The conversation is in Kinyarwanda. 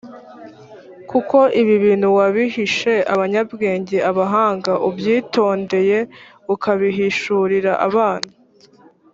kuko ibi bintu wabihishe abanyabwenge abahanga ubyitondeye ukabihishurira abana